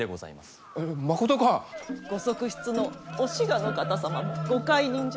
ご側室のお志賀の方様もご懐妊じゃ。